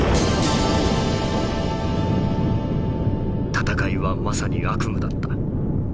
「戦いはまさに悪夢だった。